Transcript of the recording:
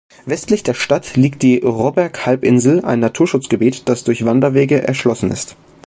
Westlich der Stadt liegt die Robberg-Halbinsel, ein Naturschutzgebiet, das durch Wanderwege erschlossen ist.